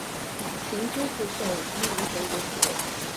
秦军护送夷吾回国即位。